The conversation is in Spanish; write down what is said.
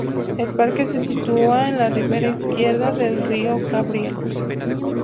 El parque se sitúa en la ribera izquierda del río Cabriel.